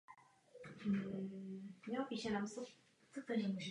Hnízda těchto teropodních dinosaurů měla průměr až kolem tří metrů.